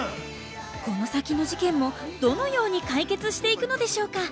この先の事件もどのように解決していくのでしょうか？